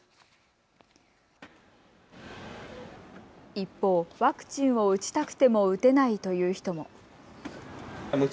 一方、ワクチンを打ちたくても打てないという人も。